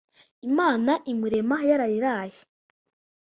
Imana imurema yarariraye